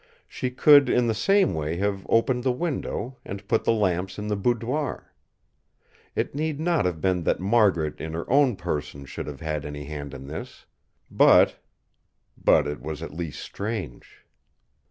She could in the same way have opened the window, and put the lamps in the boudoir. It need not have been that Margaret in her own person should have had any hand in this; but—but it was at least strange.